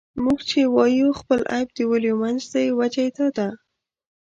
موږ چې وايو خپل عيب د ولیو منځ دی، وجه یې دا ده.